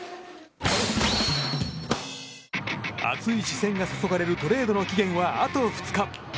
熱い視線が注がれるトレードの期限は、あと２日。